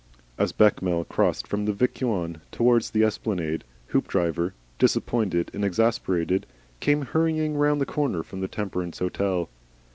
As Bechamel crossed from the Vicuna towards the esplanade, Hoopdriver, disappointed and exasperated, came hurrying round the corner from the Temperance Hotel.